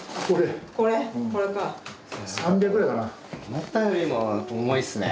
思ったよりも重いっすね。